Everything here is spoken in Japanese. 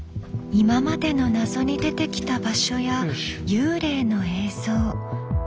今までの謎に出てきた場所や幽霊の映像。